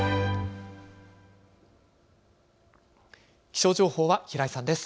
気象情報は平井さんです。